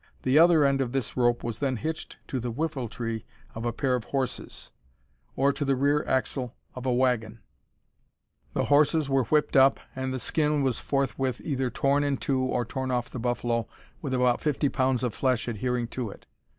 The other end of this rope was then hitched to the whiffletree of a pair of horses, or to the rear axle of a wagon, the horses were whipped up, and the skin was forthwith either torn in two or torn off the buffalo with about 50 pounds of flesh adhering to it.